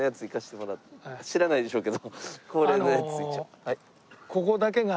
知らないでしょうけど恒例のやつ。